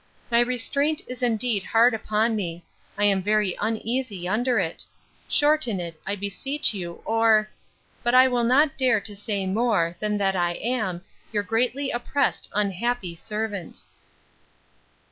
—My restraint is indeed hard upon me: I am very uneasy under it. Shorten it, I beseech you, or—but I will not dare to say more, than that I am 'Your greatly oppressed unhappy servant.